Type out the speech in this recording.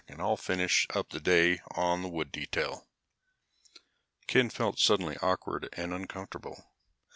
I'll finish up the day on the wood detail." Ken felt suddenly awkward and uncomfortable.